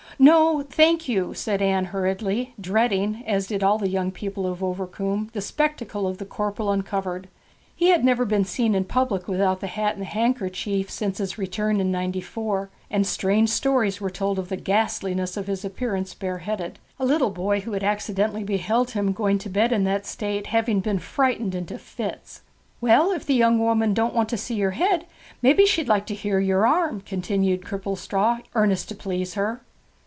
'No, thank you,' said Anne hurriedly, dreading, as did all the young people of Overcombe, the spectacle of the corporal uncovered. He had never been seen in public without the hat and the handkerchief since his return in Ninety four; and strange stories were told of the ghastliness of his appearance bare headed, a little boy who had accidentally beheld him going to bed in that state having been frightened into fits. 'Well, if the young woman don't want to see yer head, maybe she'd like to hear yer arm?' continued Cripplestraw, earnest to please her.